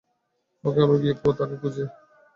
ওকে, আমি গিয়ে তাকে খুঁজছি।